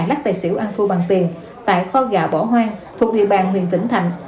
lắc tài xỉu ăn thu bằng tiền tại kho gà bỏ hoang thuộc địa bàn huyện vĩnh thạnh